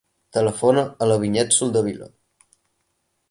Telefona a la Vinyet Soldevila.